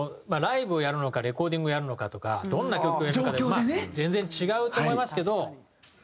ライブをやるのかレコーディングをやるのかとかどんな曲をやるのかでまあ全然違うと思いますけど。